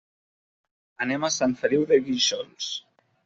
Anem a Sant Feliu de Guíxols.